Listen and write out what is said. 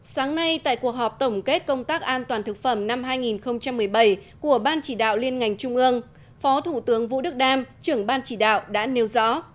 sáng nay tại cuộc họp tổng kết công tác an toàn thực phẩm năm hai nghìn một mươi bảy của ban chỉ đạo liên ngành trung ương phó thủ tướng vũ đức đam trưởng ban chỉ đạo đã nêu rõ